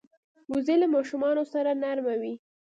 وزې له ماشومانو سره نرمه وي